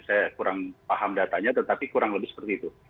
saya kurang paham datanya tetapi kurang lebih seperti itu